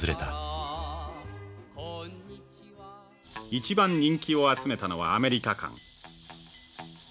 「一番人気を集めたのはアメリカ館」。